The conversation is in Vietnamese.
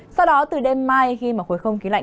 sau đó từ đêm mai khi mà khối không khí lạnh